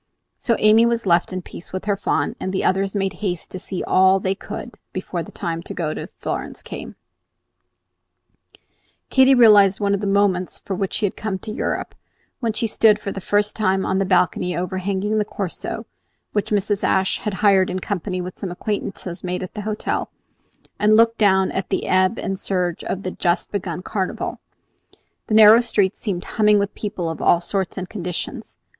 So Amy was left in peace with her fawn, and the others made haste to see all they could before the time came to go to Florence. [Illustration: Amy was left in peace with her fawn.] Katy realized one of the "moments" for which she had come to Europe when she stood for the first time on the balcony overhanging the Corso, which Mrs. Ashe had hired in company with some acquaintances made at the hotel, and looked down at the ebb and surge of the just begun Carnival. The narrow street seemed humming with people of all sorts and conditions.